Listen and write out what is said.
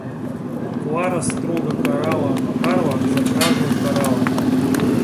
Клара строго карала Карла за кражу коралла.